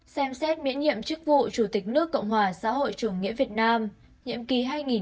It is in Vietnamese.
xem xét miễn nhiệm chức vụ chủ tịch nước cộng hòa xã hội chủ nghĩa việt nam nhiệm kỳ hai nghìn hai mươi một hai nghìn hai mươi sáu